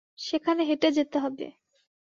সেখানে হেঁটে যেতে হবে।